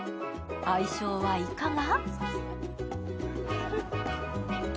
相性はいかが？